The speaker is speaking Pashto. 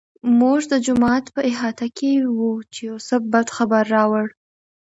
موږ د جومات په احاطه کې وو چې یوسف بد خبر راوړ.